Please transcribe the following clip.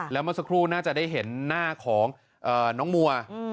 แล้วเมื่อสักครู่น่าจะได้เห็นหน้าของน้องมัว